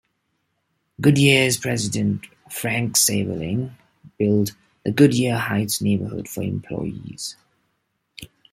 Goodyear's president, Frank Seiberling, built the Goodyear Heights neighborhood for employees.